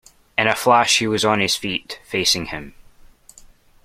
In a flash he was on his feet, facing him.